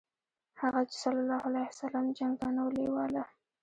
هغه ﷺ جنګ ته نه و لېواله.